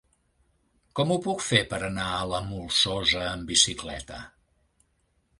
Com ho puc fer per anar a la Molsosa amb bicicleta?